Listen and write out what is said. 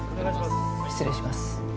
失礼します。